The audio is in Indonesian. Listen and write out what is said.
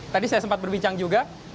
tadi saya sempat berbincang juga